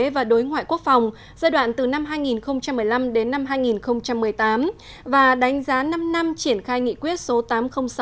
và đối ngoại quốc phòng giai đoạn từ năm hai nghìn một mươi năm đến năm hai nghìn một mươi tám và đánh giá năm năm triển khai nghị quyết số tám trăm linh sáu